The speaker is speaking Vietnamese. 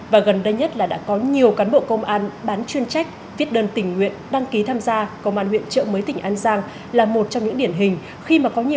và gần đây nhất là đã có nhiều cán bộ công an bán chuyên trách